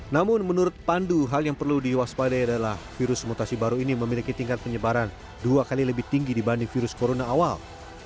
namun menurut pandu hal yang perlu diwaspadai adalah virus mutasi baru ini memiliki tingkat penyebaran dua kali lebih tinggi dibanding virus corona awal